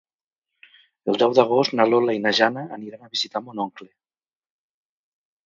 El deu d'agost na Lola i na Jana aniran a visitar mon oncle.